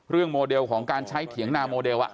โมเดลของการใช้เถียงนาโมเดล